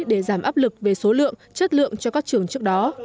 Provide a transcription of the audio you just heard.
để giảm áp lực về số lượng chất lượng cho các trường trước đó